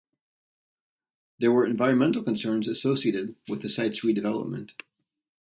There were environmental concerns associated with the site's redevelopment.